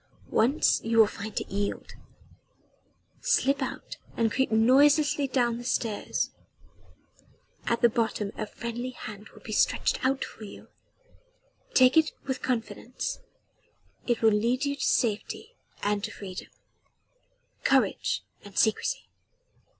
Once you will find it yield. Slip out and creep noiselessly down the stairs. At the bottom a friendly hand will be stretched out for you. Take it with confidence it will lead you to safety and to freedom. Courage and secrecy."